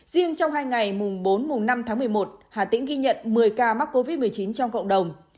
riêng trong hai ngày bốn năm một mươi một hà tĩnh ghi nhận một mươi ca mắc covid một mươi chín trong cộng đồng